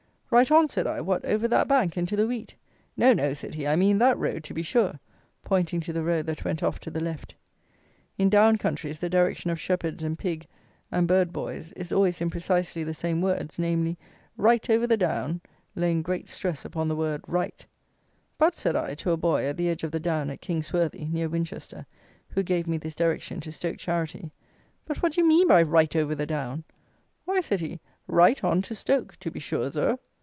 "Right on," said I, "what over that bank into the wheat?" "No, no," said he, "I mean that road, to be sure," pointing to the road that went off to the left. In down countries, the direction of shepherds and pig and bird boys is always in precisely the same words; namely, "right over the down," laying great stress upon the word right. "But," said I, to a boy, at the edge of the down at King's Worthy (near Winchester), who gave me this direction to Stoke Charity; "but, what do you mean by right over the down?" "Why," said he, "right on to Stoke, to be sure, Zur."